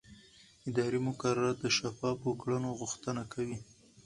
اداري مقررات د شفافو کړنو غوښتنه کوي.